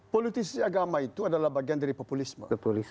politik sisi agama itu adalah bagian dari populisme